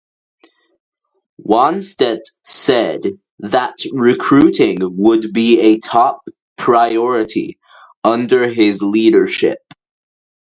Wannstedt said that recruiting would be a top priority under his leadership.